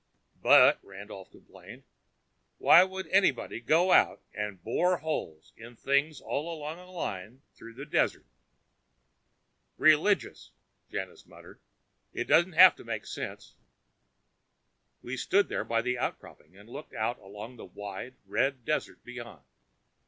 "But," Randolph complained, "why would anybody go out and bore holes in things all along a line through the desert?" "Religious," Janus muttered. "It doesn't have to make sense." We stood there by the outcropping and looked out along the wide, red desert beyond.